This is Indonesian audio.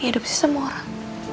diadopsi sama orang